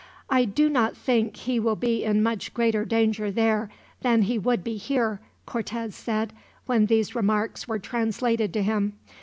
"I do not think he will be in much greater danger there than he would be here," Cortez said, when these remarks were translated to him.